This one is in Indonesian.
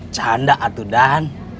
canda atu dan